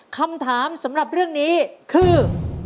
คำถามสำหรับเรื่องนี้คือ